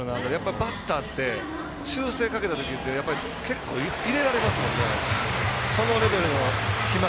バッターって修正かけたときって結構入れられますからね。